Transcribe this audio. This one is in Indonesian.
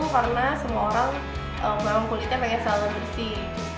karena semua orang memang kulitnya pengen selama bersih